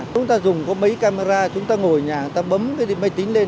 chúng ta dùng có mấy camera chúng ta ngồi nhà người ta bấm cái máy tính lên